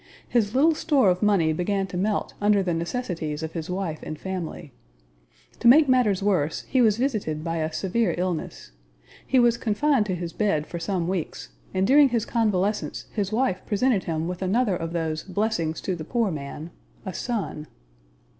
His little store of money began to melt under the necessities of his wife and family. To make matters worse he was visited by a severe illness. He was confined to his bed for some weeks, and during his convalescence his wife presented him with another of those "blessings to the poor man," a son.